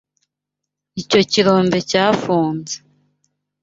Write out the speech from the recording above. Icyo kirombe cyafunze.